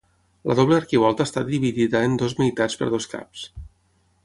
La doble arquivolta està dividida en dues meitats per dos caps.